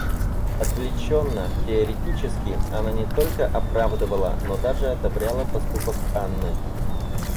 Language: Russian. Отвлеченно, теоретически, она не только оправдывала, но даже одобряла поступок Анны.